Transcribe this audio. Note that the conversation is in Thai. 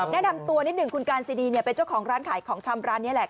แนะนำตัวนิดหนึ่งคุณการซีดีเป็นเจ้าของร้านขายของชำร้านนี้แหละ